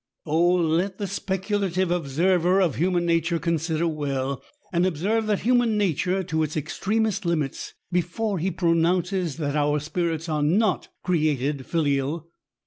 ! let the speculative observer of human nature consider well, and observe that human nature to its extremest limits^ before he pronounces that our spirits are not created filial.